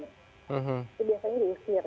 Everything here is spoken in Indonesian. itu biasanya diusir